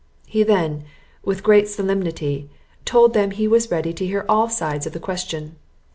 He then, with great solemnity, told them he was ready to hear all sides of the question.